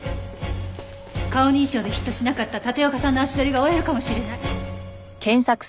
顔認証でヒットしなかった立岡さんの足取りが追えるかもしれない。